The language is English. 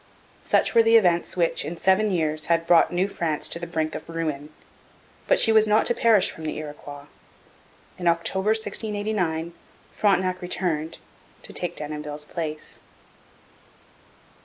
Such were the events which, in seven years, had brought New France to the brink of ruin. But she was not to perish from the Iroquois. In October 1689 Frontenac returned to take Denonville's place.